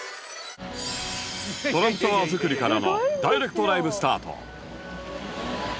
トランプタワー作りからのダイレクトライブスタート